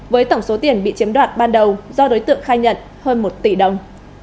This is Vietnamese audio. với tổng số tiền bị chiếm đoạt ban đầu do đối tượng khai nhận hơn một tỷ đồng